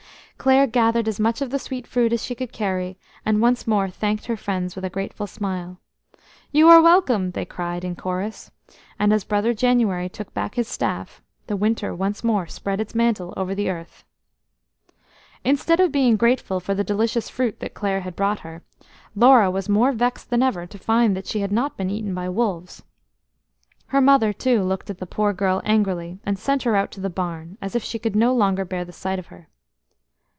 Clare gathered as much of the sweet fruit as she could carry, and once more thanked her friends with a grateful smile. "You are welcome," they cried in chorus, and as Brother January took back his staff the winter once more spread its mantle over the earth. Instead of being grateful for the delicious fruit that Clare had brought her, Laura was more vexed than ever to find she had not been eaten by wolves. Her mother too looked at the poor girl angrily, and sent her out to the barn, as if she could no longer bear the sight of her.